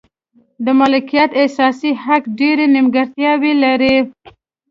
د مالکیت اساسي حق ډېرې نیمګړتیاوې لري.